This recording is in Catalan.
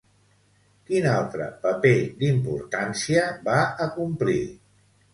Quin altre paper d'importància va acomplir?